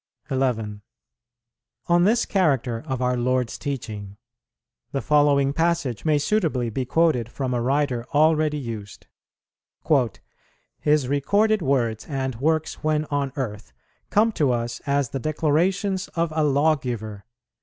11. On this character of our Lord's teaching, the following passage may suitably be quoted from a writer already used. "His recorded words and works when on earth ... come to us as the declarations of a Lawgiver.